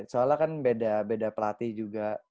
soalnya kan beda beda pelatih juga